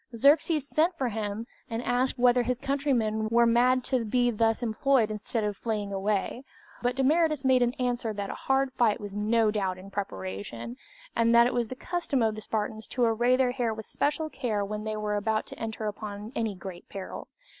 Xerxes sent for him, and asked whether his countrymen were mad to be thus employed instead of fleeing away; but Demaratus made answer that a hard fight was no doubt in preparation, and that it was the custom of the Spartans to array their hair with especial care when they were about to enter upon any great peril.